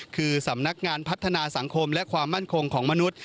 คือสำนักงานพัฒนาสังคมและความมั่นคงของมนุษย์